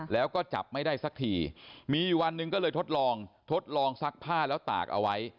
แล้วก็จับไม่ได้สักทีมีอยู่วันหนึ่งก็เลยทดลองทดลองซักผ้าแล้วตากเอาไว้